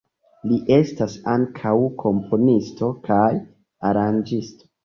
Li estas ankaŭ komponisto kaj aranĝisto.